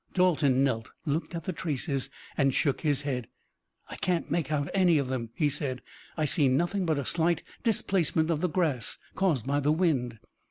Dalton knelt, looked at the traces, and shook his head. "I can't make out any of them," he said. "I see nothing but a slight displacement of the grass caused by the wind."